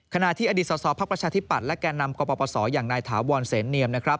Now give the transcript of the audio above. ขณะที่อดีตสอสอภักดิ์ประชาธิปัตย์และแก่นำกปศอย่างนายถาวรเสนเนียมนะครับ